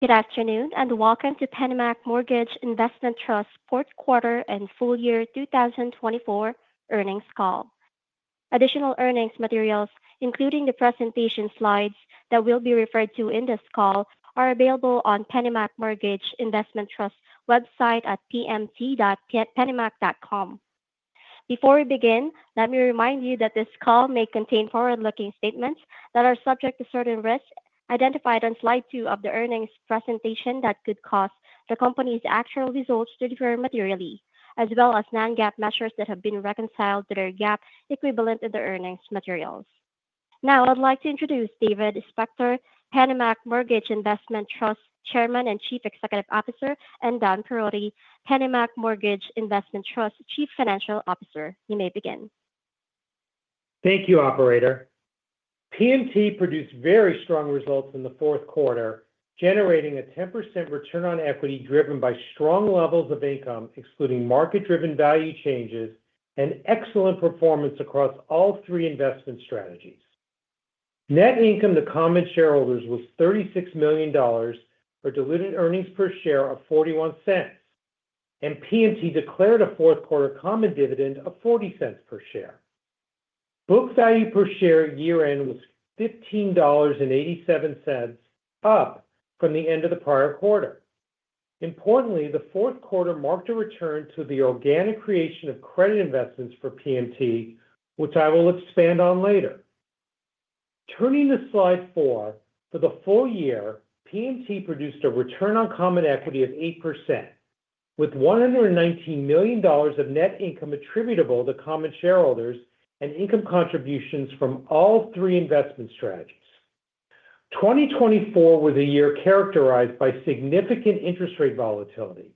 Good afternoon and welcome to PennyMac Mortgage Investment Trust's 4th quarter and full year 2024 earnings call. Additional earnings materials, including the presentation slides that will be referred to in this call, are available on PennyMac Mortgage Investment Trust's website at pmt.pennymac.com. Before we begin, let me remind you that this call may contain forward-looking statements that are subject to certain risks identified on slide two of the earnings presentation that could cause the company's actual results to differ materially, as well as non-GAAP measures that have been reconciled to their GAAP equivalent in the earnings materials. Now, I'd like to introduce David Spector, PennyMac Mortgage Investment Trust's Chairman and Chief Executive Officer, and Dan Perotti, PennyMac Mortgage Investment Trust's Chief Financial Officer. You may begin. Thank you, Operator. PMT produced very strong results in the 4th quarter, generating a 10% return on equity driven by strong levels of income, excluding market-driven value changes, and excellent performance across all three investment strategies. Net income to common shareholders was $36 million for diluted earnings per share of $0.41, and PMT declared a 4th quarter common dividend of $0.40 per share. Book value per share year-end was $15.87, up from the end of the prior quarter. Importantly, the 4th quarter marked a return to the organic creation of credit investments for PMT, which I will expand on later. Turning to slide 4, for the full year, PMT produced a return on common equity of 8%, with $119 million of net income attributable to common shareholders and income contributions from all three investment strategies. 2024 was a year characterized by significant interest rate volatility,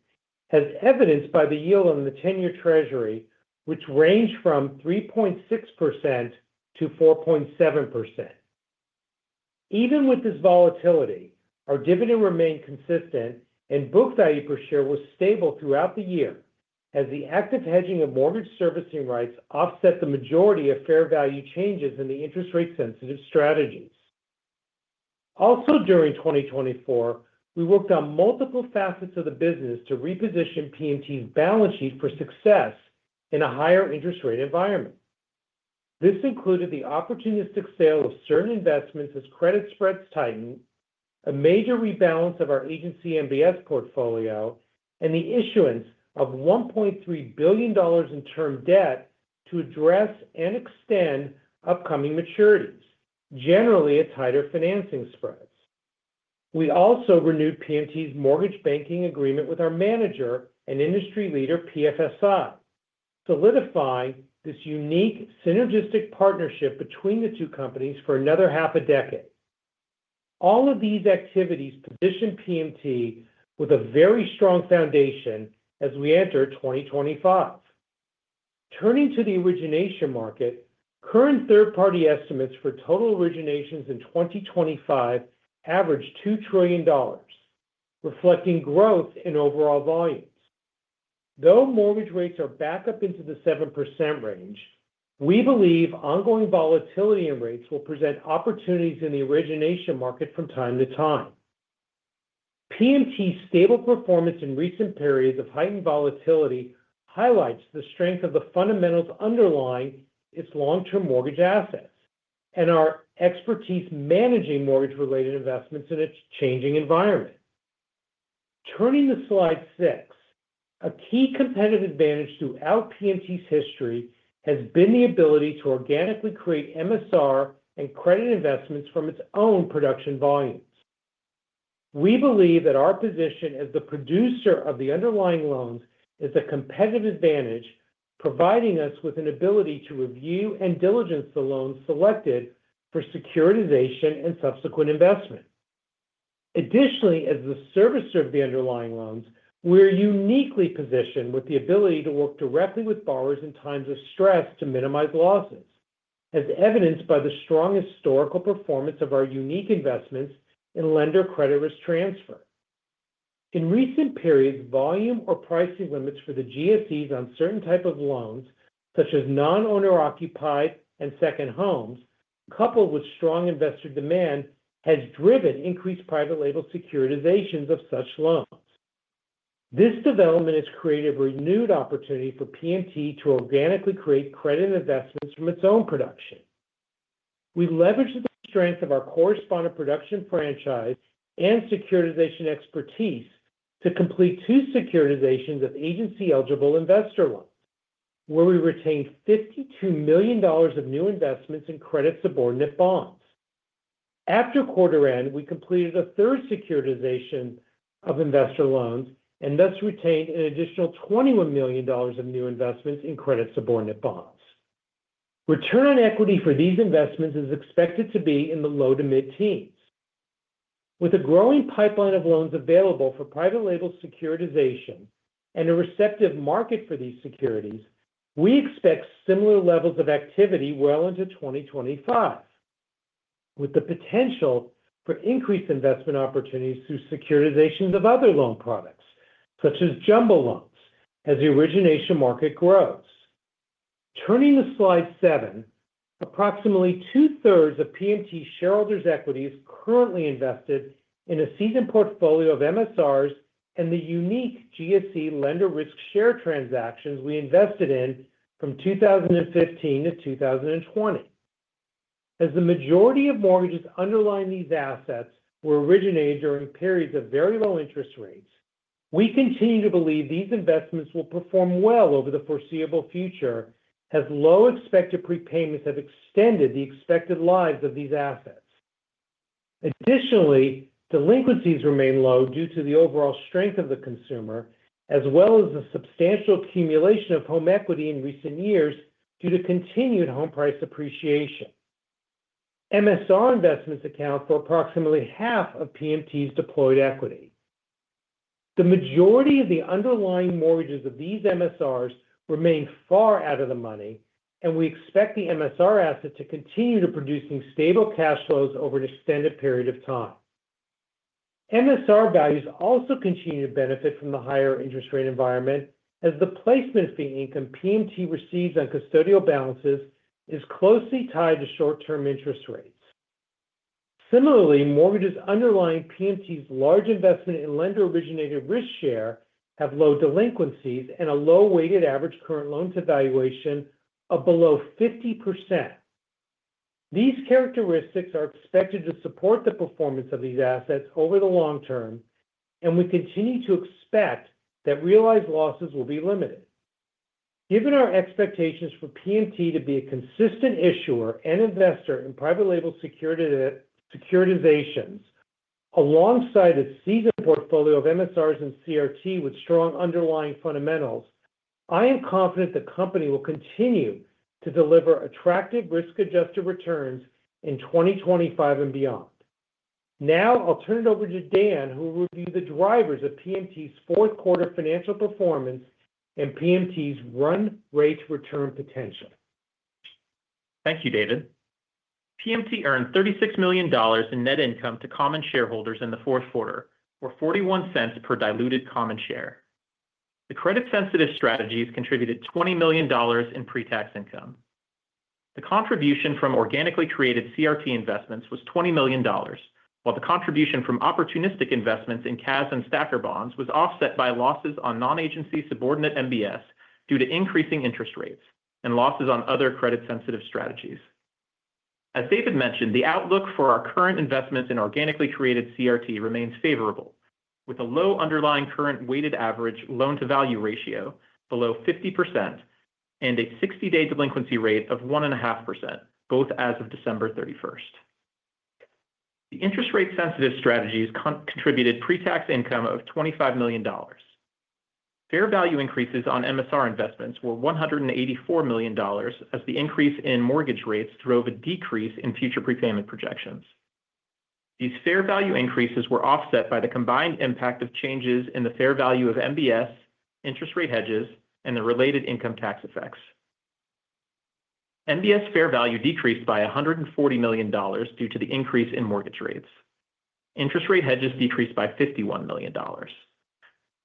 as evidenced by the yield on the 10-year Treasury, which ranged from 3.6%-4.7%. Even with this volatility, our dividend remained consistent, and book value per share was stable throughout the year, as the active hedging of mortgage servicing rights offset the majority of fair value changes in the interest rate-sensitive strategies. Also, during 2024, we worked on multiple facets of the business to reposition PMT's balance sheet for success in a higher interest rate environment. This included the opportunistic sale of certain investments as credit spreads tightened, a major rebalance of our agency MBS portfolio, and the issuance of $1.3 billion in term debt to address and extend upcoming maturities, generally at tighter financing spreads. We also renewed PMT's mortgage banking agreement with our manager and industry leader, PFSI, solidifying this unique synergistic partnership between the two companies for another half a decade. All of these activities positioned PMT with a very strong foundation as we enter 2025. Turning to the origination market, current third-party estimates for total originations in 2025 average $2 trillion, reflecting growth in overall volumes. Though mortgage rates are back up into the 7% range, we believe ongoing volatility in rates will present opportunities in the origination market from time-to-time. PMT's stable performance in recent periods of heightened volatility highlights the strength of the fundamentals underlying its long-term mortgage assets and our expertise managing mortgage-related investments in a changing environment. Turning to slide 6, a key competitive advantage throughout PMT's history has been the ability to organically create MSR and credit investments from its own production volumes. We believe that our position as the producer of the underlying loans is a competitive advantage, providing us with an ability to review and diligence the loans selected for securitization and subsequent investment. Additionally, as the servicer of the underlying loans, we're uniquely positioned with the ability to work directly with borrowers in times of stress to minimize losses, as evidenced by the strong historical performance of our unique investments in lender-credit risk transfer. In recent periods, volume or pricing limits for the GSEs on certain types of loans, such as non-owner-occupied and second homes, coupled with strong investor demand, have driven increased private label securitizations of such loans. This development has created a renewed opportunity for PMT to organically create credit investments from its own production. We leveraged the strength of our correspondent production franchise and securitization expertise to complete two securitizations of agency-eligible investor loans, where we retained $52 million of new investments in credit subordinate bonds. After quarter end, we completed a third securitization of investor loans and thus retained an additional $21 million of new investments in credit subordinate bonds. Return on equity for these investments is expected to be in the low to mid-teens. With a growing pipeline of loans available for private label securitization and a receptive market for these securities, we expect similar levels of activity well into 2025, with the potential for increased investment opportunities through securitizations of other loan products, such as jumbo loans, as the origination market grows. Turning to slide 7, approximately 2/3 of PMT shareholders' equity is currently invested in a seasoned portfolio of MSRs and the unique GSE lender risk share transactions we invested in from 2015 to 2020. As the majority of mortgages underlying these assets were originated during periods of very low interest rates, we continue to believe these investments will perform well over the foreseeable future, as low expected prepayments have extended the expected lives of these assets. Additionally, delinquencies remain low due to the overall strength of the consumer, as well as the substantial accumulation of home equity in recent years due to continued home price appreciation. MSR investments account for approximately half of PMT's deployed equity. The majority of the underlying mortgages of these MSRs remain far out of the money, and we expect the MSR asset to continue to produce stable cash flows over an extended period of time. MSR values also continue to benefit from the higher interest rate environment, as the placement fee income PMT receives on custodial balances is closely tied to short-term interest rates. Similarly, mortgages underlying PMT's large investment in lender-originated risk share have low delinquencies and a low weighted average current LTV of below 50%. These characteristics are expected to support the performance of these assets over the long term, and we continue to expect that realized losses will be limited. Given our expectations for PMT to be a consistent issuer and investor in private label securitizations, alongside its seasoned portfolio of MSRs and CRT with strong underlying fundamentals, I am confident the company will continue to deliver attractive risk-adjusted returns in 2025 and beyond. Now, I'll turn it over to Dan, who will review the drivers of PMT's 4th quarter financial performance and PMT's run rate return potential. Thank you, David. PMT earned $36 million in net income to common shareholders in the 4th quarter, or $0.41 per diluted common share. The credit-sensitive strategies contributed $20 million in pre-tax income. The contribution from organically created CRT investments was $20 million, while the contribution from opportunistic investments in CAS and STACR bonds was offset by losses on non-agency subordinate MBS due to increasing interest rates and losses on other credit-sensitive strategies. As David mentioned, the outlook for our current investments in organically created CRT remains favorable, with a low underlying current weighted average loan-to-value ratio below 50% and a 60-day delinquency rate of 1.5%, both as of December 31st. The interest rate-sensitive strategies contributed pre-tax income of $25 million. Fair value increases on MSR investments were $184 million, as the increase in mortgage rates drove a decrease in future prepayment projections. These fair value increases were offset by the combined impact of changes in the fair value of MBS, interest rate hedges, and the related income tax effects. MBS fair value decreased by $140 million due to the increase in mortgage rates. Interest rate hedges decreased by $51 million.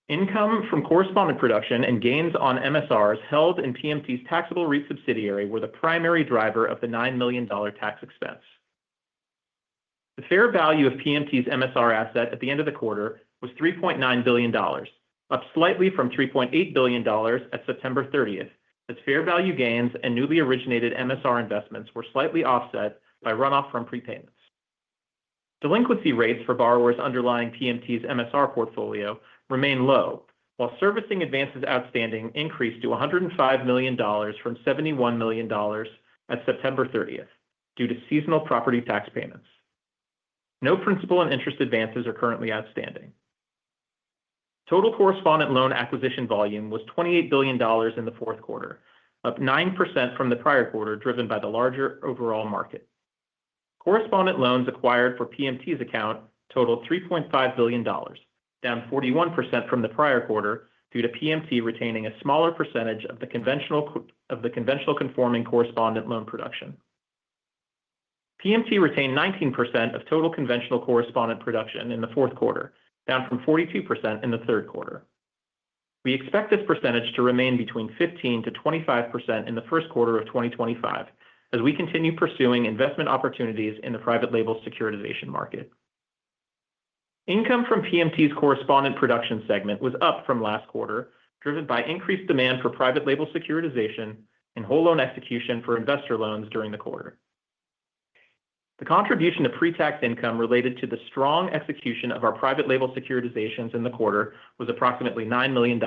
Income from correspondent production and gains on MSRs held in PMT's taxable REIT subsidiary were the primary driver of the $9 million tax expense. The fair value of PMT's MSR asset at the end of the quarter was $3.9 billion, up slightly from $3.8 billion at September 30th, as fair value gains and newly originated MSR investments were slightly offset by runoff from prepayments. Delinquency rates for borrowers underlying PMT's MSR portfolio remain low, while servicing advances outstanding increased to $105 million from $71 million at September 30th due to seasonal property tax payments. No principal and interest advances are currently outstanding. Total correspondent loan acquisition volume was $28 billion in the 4th quarter, up 9% from the prior quarter, driven by the larger overall market. Correspondent loans acquired for PMT's account totaled $3.5 billion, down 41% from the prior quarter due to PMT retaining a smaller percentage of the conventional-conforming correspondent loan production. PMT retained 19% of total conventional correspondent production in the 4th quarter, down from 42% in the 3rd quarter. We expect this percentage to remain between 15%-25% in the 1st quarter of 2025, as we continue pursuing investment opportunities in the private label securitization market. Income from PMT's correspondent production segment was up from last quarter, driven by increased demand for private label securitization and whole loan execution for investor loans during the quarter. The contribution to pre-tax income related to the strong execution of our private label securitizations in the quarter was approximately $9 million.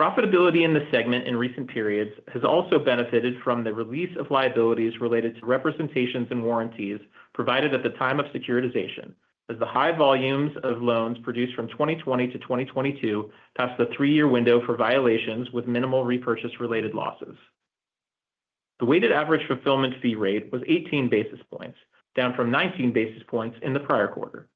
Profitability in this segment in recent periods has also benefited from the release of liabilities related to representations and warranties provided at the time of securitization, as the high volumes of loans produced from 2020 to 2022 passed the three-year window for violations with minimal repurchase-related losses. The weighted average fulfillment fee rate was 18 basis points, down from 19 basis points in the prior quarter.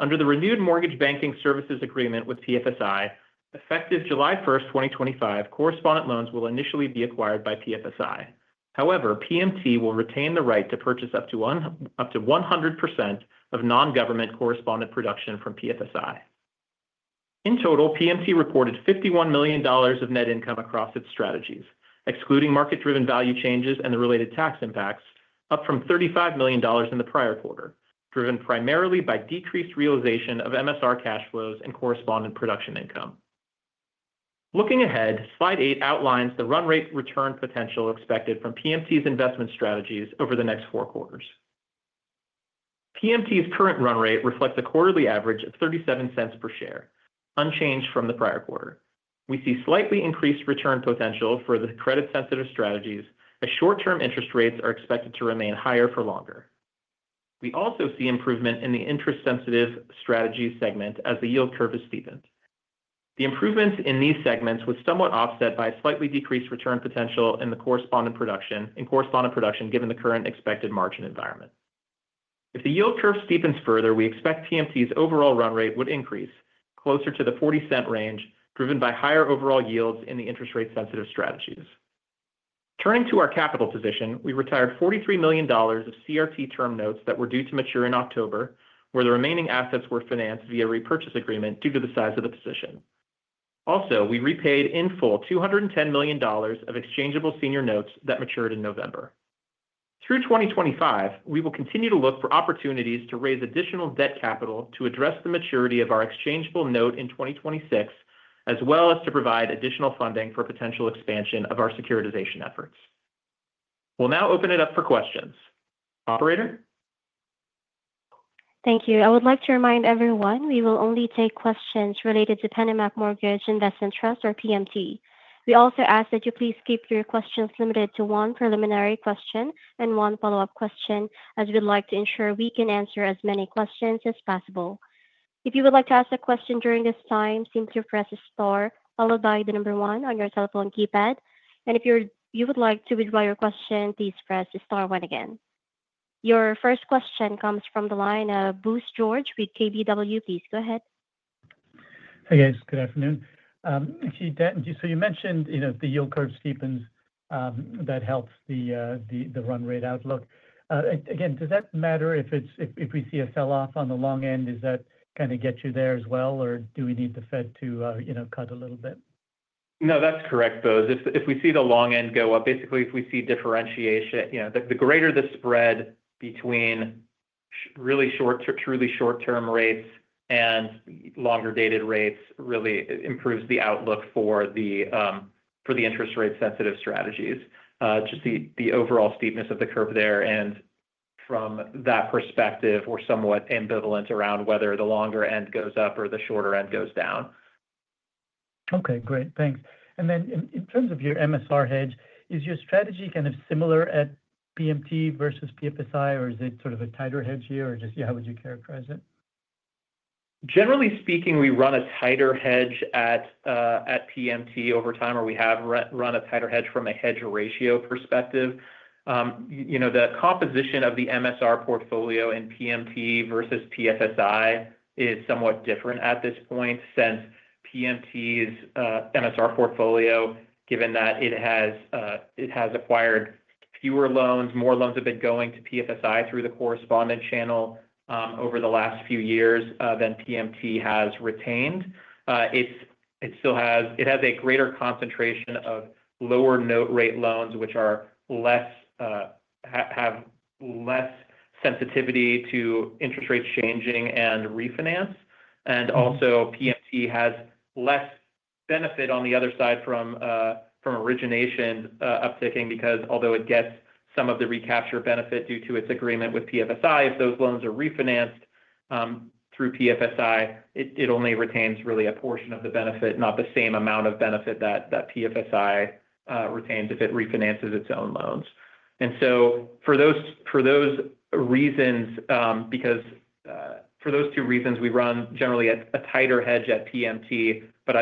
Under the renewed mortgage banking services agreement with PFSI, effective July 1st, 2025, correspondent loans will initially be acquired by PFSI. However, PMT will retain the right to purchase up to 100% of non-government correspondent production from PFSI. In total, PMT reported $51 million of net income across its strategies, excluding market-driven value changes and the related tax impacts, up from $35 million in the prior quarter, driven primarily by decreased realization of MSR cash flows and correspondent production income. Looking ahead, slide 8 outlines the run rate return potential expected from PMT's investment strategies over the next four quarters. PMT's current run rate reflects a quarterly average of $0.37 per share, unchanged from the prior quarter. We see slightly increased return potential for the credit-sensitive strategies, as short-term interest rates are expected to remain higher for longer. We also see improvement in the interest-sensitive strategy segment, as the yield curve has steepened. The improvements in these segments were somewhat offset by slightly decreased return potential in the correspondent production given the current expected margin environment. If the yield curve steepens further, we expect PMT's overall run rate would increase closer to the $0.40 range, driven by higher overall yields in the interest rate-sensitive strategies. Turning to our capital position, we retired $43 million of CRT term notes that were due to mature in October, where the remaining assets were financed via repurchase agreement due to the size of the position. Also, we repaid in full $210 million of exchangeable senior notes that matured in November. Through 2025, we will continue to look for opportunities to raise additional debt capital to address the maturity of our exchangeable note in 2026, as well as to provide additional funding for potential expansion of our securitization efforts. We'll now open it up for questions. Operator? Thank you. I would like to remind everyone we will only take questions related to PennyMac Mortgage Investment Trust or PMT. We also ask that you please keep your questions limited to one preliminary question and one follow-up question, as we'd like to ensure we can answer as many questions as possible. If you would like to ask a question during this time, simply press the star followed by the number one on your telephone keypad, and if you would like to withdraw your question, please press the star, then again. Your first question comes from the line of Bose George with KBW. Please go ahead. Hey, guys. Good afternoon. Actually, Dan, so you mentioned the yield curve steepens, that helps the run rate outlook. Again, does that matter if we see a sell-off on the long end? Does that kind of get you there as well, or do we need the Fed to cut a little bit? No, that's correct, though. If we see the long end go up, basically, if we see differentiation, the greater the spread between really short, truly short-term rates and longer-dated rates really improves the outlook for the interest rate-sensitive strategies, just the overall steepness of the curve there. And from that perspective, we're somewhat ambivalent around whether the longer end goes up or the shorter end goes down. Okay. Great. Thanks. And then in terms of your MSR hedge, is your strategy kind of similar at PMT versus PFSI, or is it sort of a tighter hedge here, or just how would you characterize it? Generally speaking, we run a tighter hedge at PMT over time, or we have run a tighter hedge from a hedge ratio perspective. The composition of the MSR portfolio in PMT versus PFSI is somewhat different at this point since PMT's MSR portfolio, given that it has acquired fewer loans, more loans have been going to PFSI through the correspondent channel over the last few years than PMT has retained. It still has a greater concentration of lower note rate loans, which have less sensitivity to interest rates changing and refinance. And also, PMT has less benefit on the other side from origination upticking because, although it gets some of the recapture benefit due to its agreement with PFSI, if those loans are refinanced through PFSI, it only retains really a portion of the benefit, not the same amount of benefit that PFSI retains if it refinances its own loans. And so for those reasons, because for those two reasons, we run generally a tighter hedge at PMT, but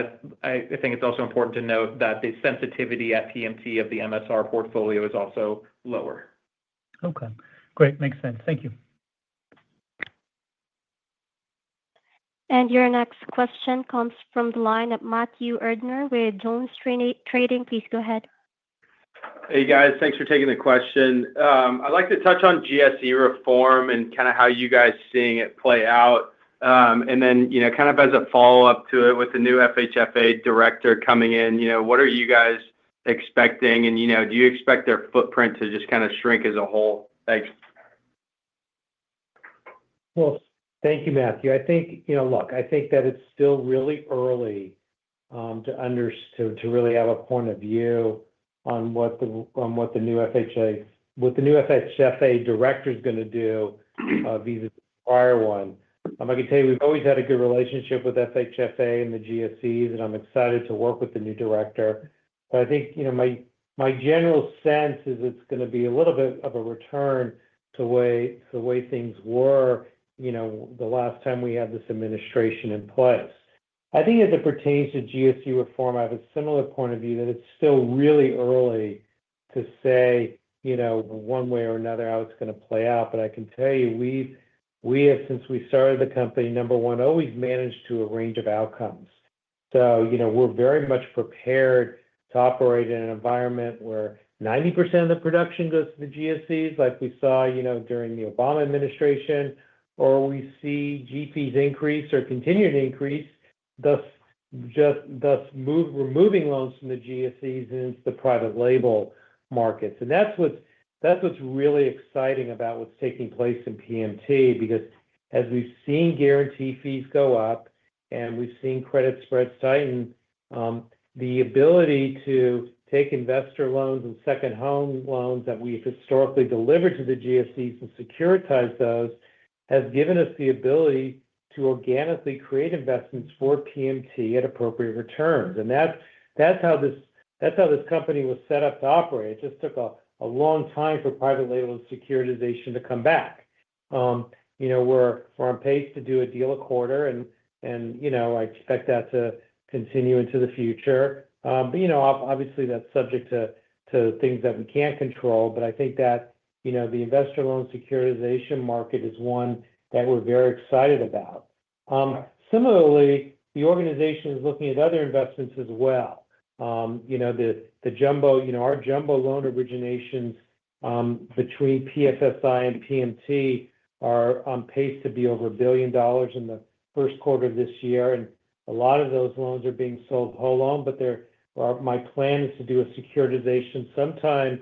I think it's also important to note that the sensitivity at PMT of the MSR portfolio is also lower. Okay. Great. Makes sense. Thank you. Your next question comes from the line of Matthew Erdner with JonesTrading. Please go ahead. Hey, guys. Thanks for taking the question. I'd like to touch on GSE reform and kind of how you guys are seeing it play out. And then kind of as a follow-up to it, with the new FHFA director coming in, what are you guys expecting, and do you expect their footprint to just kind of shrink as a whole? Thanks. Thank you, Matthew. I think, look, I think that it's still really early to really have a point of view on what the new FHFA director is going to do versus the prior one. I can tell you we've always had a good relationship with FHFA and the GSEs, and I'm excited to work with the new director. But I think my general sense is it's going to be a little bit of a return to the way things were the last time we had this administration in place. I think as it pertains to GSE reform, I have a similar point of view that it's still really early to say one way or another how it's going to play out. But I can tell you we have, since we started the company, number one, always managed to arrange outcomes. So we're very much prepared to operate in an environment where 90% of the production goes to the GSEs, like we saw during the Obama administration, or we see G-fees increase or continue to increase, thus removing loans from the GSEs into the private label markets. And that's what's really exciting about what's taking place in PMT because as we've seen guarantee fees go up and we've seen credit spreads tighten, the ability to take investor loans and second-home loans that we've historically delivered to the GSEs and securitize those has given us the ability to organically create investments for PMT at appropriate returns. And that's how this company was set up to operate. It just took a long time for private label securitization to come back. We're on pace to do a deal a quarter, and I expect that to continue into the future. But obviously, that's subject to things that we can't control, but I think that the investor loan securitization market is one that we're very excited about. Similarly, the organization is looking at other investments as well. Our jumbo loan originations between PFSI and PMT are on pace to be over $1 billion in the 1st quarter of this year. And a lot of those loans are being sold whole loan, but my plan is to do a securitization sometime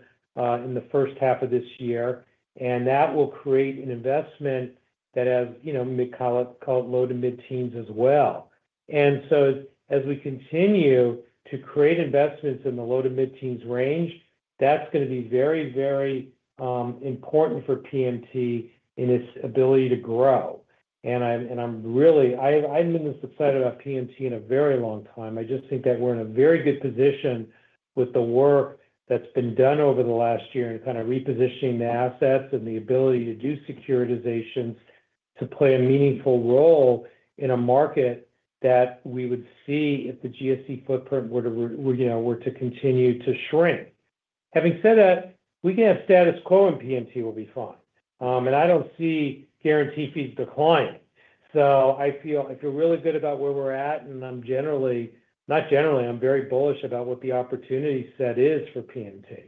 in the first half of this year. And that will create an investment that has mid-call low to mid-teens as well. And so as we continue to create investments in the low to mid-teens range, that's going to be very, very important for PMT in its ability to grow. And I'm really excited about PMT in a very long time. I just think that we're in a very good position with the work that's been done over the last year in kind of repositioning the assets and the ability to do securitizations to play a meaningful role in a market that we would see if the GSE footprint were to continue to shrink. Having said that, we can have status quo and PMT will be fine, and I don't see guarantee fees declining, so I feel really good about where we're at, and I'm very bullish about what the opportunity set is for PMT.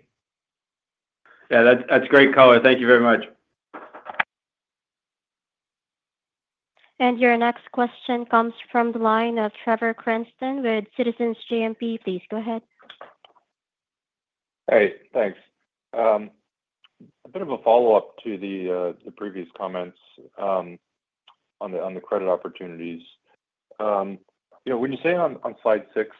Yeah. That's great color. Thank you very much. Your next question comes from the line of Trevor Cranston with Citizens JMP. Please go ahead. Hey. Thanks. A bit of a follow-up to the previous comments on the credit opportunities. When you say on slide 6,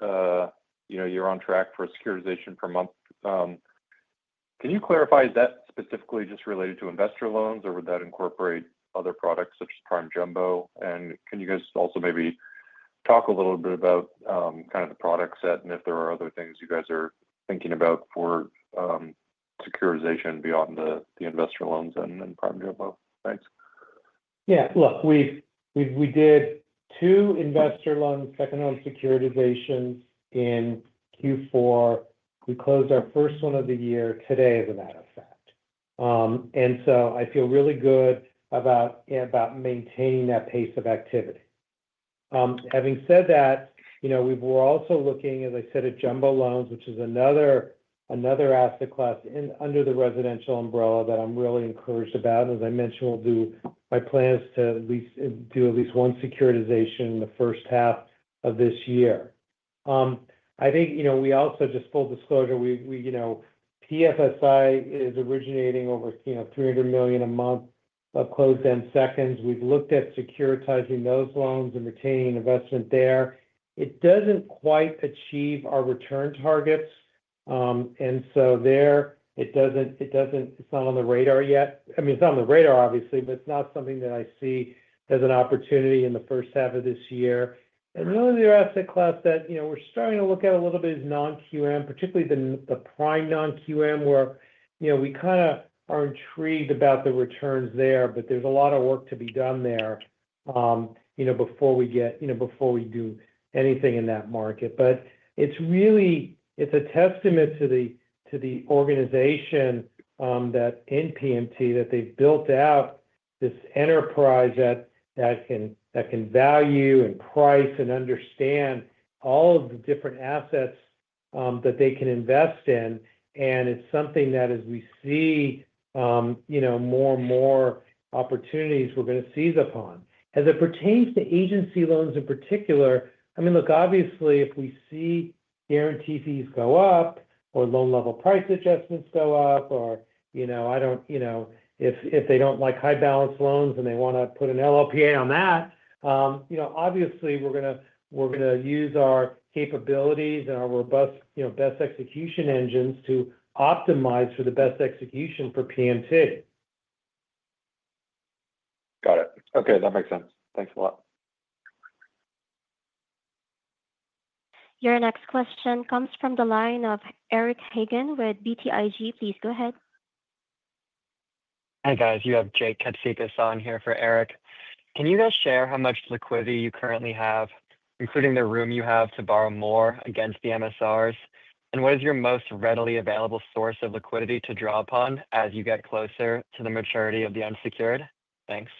you're on track for securitization per month, can you clarify, is that specifically just related to investor loans, or would that incorporate other products such as Prime Jumbo? And can you guys also maybe talk a little bit about kind of the product set and if there are other things you guys are thinking about for securitization beyond the investor loans and Prime Jumbo? Thanks. Yeah. Look, we did two investor loans, second-home securitizations in Q4. We closed our first one of the year today, as a matter of fact. And so I feel really good about maintaining that pace of activity. Having said that, we're also looking, as I said, at jumbo loans, which is another asset class under the residential umbrella that I'm really encouraged about. And as I mentioned, my plan is to at least do one securitization in the 1st half of this year. I think we also just full disclosure, PFSI is originating over $300 million a month of closed-end seconds. We've looked at securitizing those loans and retaining investment there. It doesn't quite achieve our return targets. And so there, it's not on the radar yet. I mean, it's not on the radar, obviously, but it's not something that I see as an opportunity in the 1st half of this year. And really, the asset class that we're starting to look at a little bit is non-QM, particularly the prime non-QM, where we kind of are intrigued about the returns there, but there's a lot of work to be done there before we do anything in that market. But it's a testament to the organization that in PMT that they've built out this enterprise that can value and price and understand all of the different assets that they can invest in. And it's something that, as we see more and more opportunities, we're going to seize upon. As it pertains to agency loans in particular, I mean, look, obviously, if we see guarantee fees go up or loan level price adjustments go up, or if they don't like high balance loans and they want to put an LLPA on that, obviously, we're going to use our capabilities and our robust best execution engines to optimize for the best execution for PMT. Got it. Okay. That makes sense. Thanks a lot. Your next question comes from the line of Eric Hagen with BTIG. Please go ahead. Hey, guys. You have Jake Katsikas on here for Eric. Can you guys share how much liquidity you currently have, including the room you have to borrow more against the MSRs? And what is your most readily available source of liquidity to draw upon as you get closer to the maturity of the unsecured? Thanks.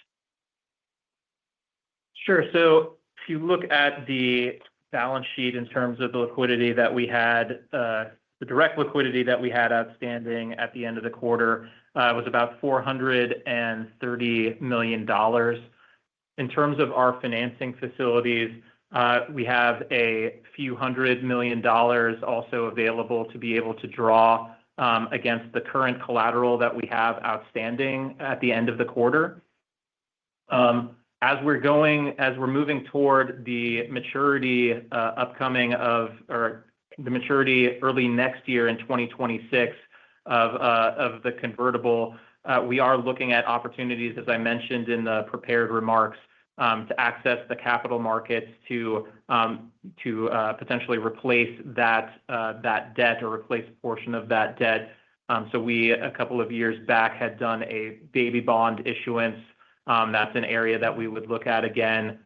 Sure. So if you look at the balance sheet in terms of the liquidity that we had, the direct liquidity that we had outstanding at the end of the quarter was about $430 million. In terms of our financing facilities, we have a few hundred million dollars also available to be able to draw against the current collateral that we have outstanding at the end of the quarter. As we're moving toward the maturity upcoming of or the maturity early next year in 2026 of the convertible, we are looking at opportunities, as I mentioned in the prepared remarks, to access the capital markets to potentially replace that debt or replace a portion of that debt. So we, a couple of years back, had done a baby bond issuance. That's an area that we would look at again.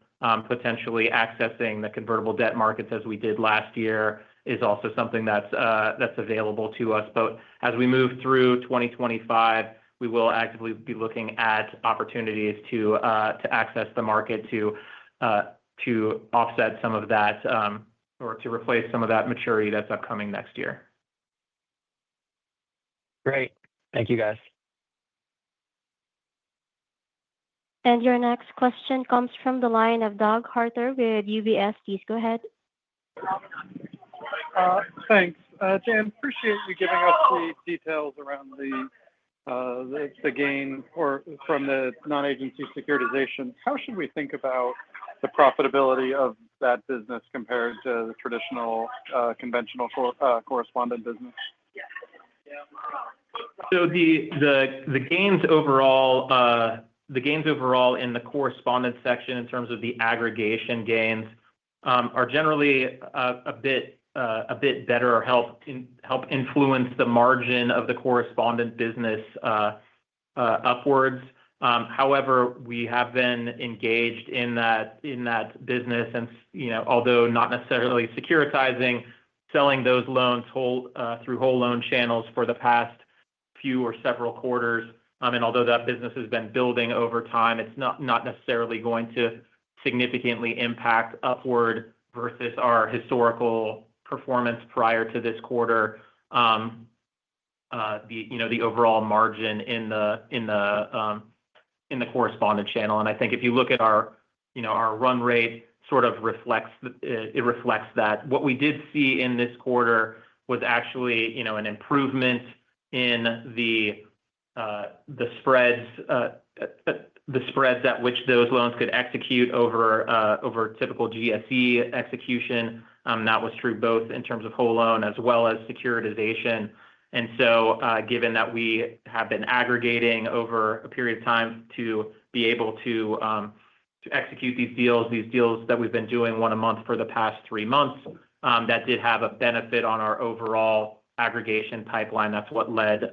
Potentially accessing the convertible debt markets as we did last year is also something that's available to us. But as we move through 2025, we will actively be looking at opportunities to access the market to offset some of that or to replace some of that maturity that's upcoming next year. Great. Thank you, guys. Your next question comes from the line of Doug Harter with UBS. Please go ahead. Thanks. David, appreciate you giving us the details around the gain from the non-agency securitization. How should we think about the profitability of that business compared to the traditional conventional correspondent business? The gains overall in the correspondent section in terms of the aggregation gains are generally a bit better, or help influence the margin of the correspondent business upwards. However, we have been engaged in that business, although not necessarily securitizing, selling those loans through whole loan channels for the past few or several quarters. Although that business has been building over time, it's not necessarily going to significantly impact upward versus our historical performance prior to this quarter, the overall margin in the correspondent channel. I think if you look at our run rate, sort of reflects that. What we did see in this quarter was actually an improvement in the spreads at which those loans could execute over typical GSE execution. That was true both in terms of whole loan as well as securitization. Given that we have been aggregating over a period of time to be able to execute these deals, these deals that we've been doing one a month for the past three months, that did have a benefit on our overall aggregation pipeline. That's what led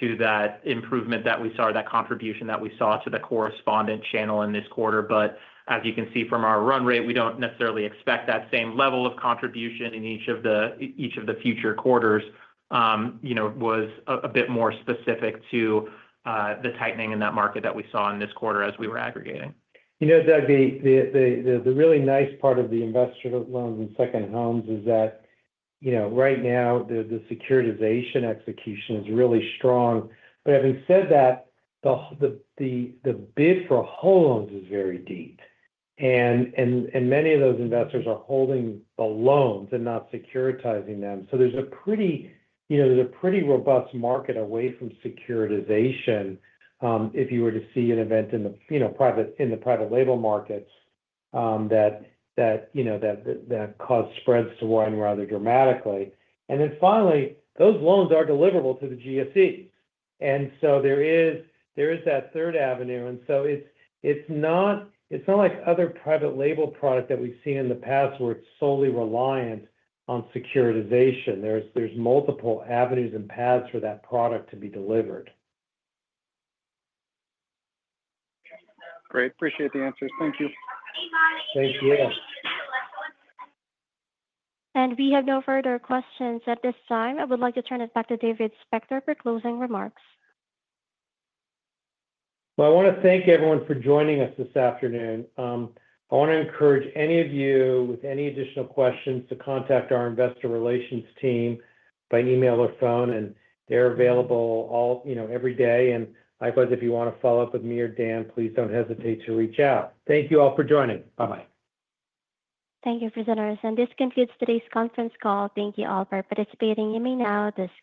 to that improvement that we saw, that contribution that we saw to the correspondent channel in this quarter. But as you can see from our run rate, we don't necessarily expect that same level of contribution in each of the future quarters was a bit more specific to the tightening in that market that we saw in this quarter as we were aggregating. You know, Doug, the really nice part of the investor loans and second homes is that right now, the securitization execution is really strong. But having said that, the bid for whole loans is very deep. And many of those investors are holding the loans and not securitizing them. So there's a pretty robust market away from securitization if you were to see an event in the private label markets that caused spreads to widen rather dramatically. And then finally, those loans are deliverable to the GSE. And so there is that third avenue. And so it's not like other private label products that we've seen in the past where it's solely reliant on securitization. There's multiple avenues and paths for that product to be delivered. Great. Appreciate the answers. Thank you. Thank you. We have no further questions at this time. I would like to turn it back to David Spector for closing remarks. I want to thank everyone for joining us this afternoon. I want to encourage any of you with any additional questions to contact our investor relations team by email or phone. They're available every day. Likewise, if you want to follow up with me or Dan, please don't hesitate to reach out. Thank you all for joining. Bye-bye. Thank you, presenters. And this concludes today's conference call. Thank you all for participating. You may now disconnect.